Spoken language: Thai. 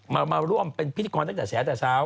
มาร่วมเป็นพิธีกรตั้งแต่แฉแต่เช้า